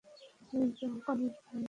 তুমিই তো কনের ভাই, আসো।